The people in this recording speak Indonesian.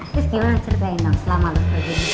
terus gimana ceritain dong selama lo sebagian ini